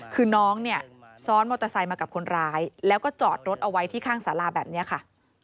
คือน้องเนี่ยซ้อนมอเตอร์ไซค์มากับคนร้ายแล้วก็จอดรถเอาไว้ที่ข้างสาราแบบนี้ค่ะ